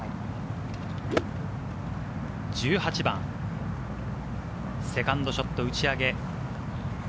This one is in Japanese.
１８番、セカンドショット打ち上げ。